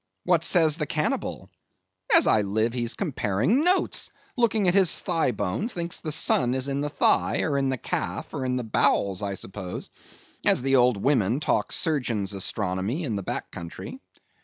What says the Cannibal? As I live he's comparing notes; looking at his thigh bone; thinks the sun is in the thigh, or in the calf, or in the bowels, I suppose, as the old women talk Surgeon's Astronomy in the back country.